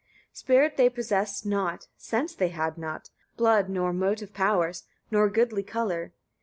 18. Spirit they possessed not, sense they had not, blood nor motive powers, nor goodly colour.